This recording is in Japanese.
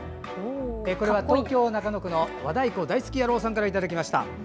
これは東京都中野区の和太鼓大好き野郎さんからいただきました。